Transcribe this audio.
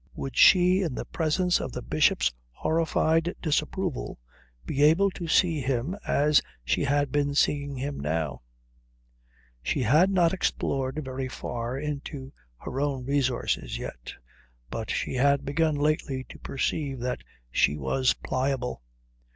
Would she, in the presence of the Bishop's horrified disapproval, be able to see him as she had been seeing him now? She had not explored very far into her own resources yet, but she had begun lately to perceive that she was pliable.